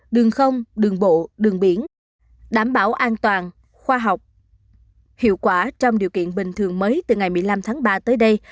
đường không đường bộ đường biển đảm bảo an toàn khoa học hiệu quả trong điều kiện bình thường mới từ ngày một mươi năm tháng ba tới đây